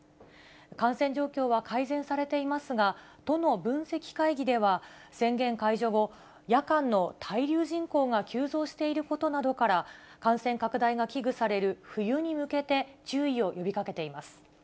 感染状況は改善されていますが、都の分析会議では、宣言解除後、夜間の滞留人口が急増していることなどから、感染拡大が危惧される冬に向けて注意を呼びかけています。